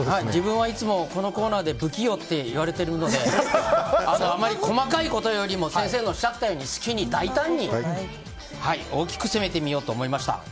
自分はいつも、このコーナーで不器用って言われてるのであまり細かいことよりも先生のおっしゃったように好きに大胆に大きく攻めてみようと思いました。